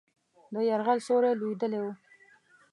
د یرغل سیوری لوېدلی وو.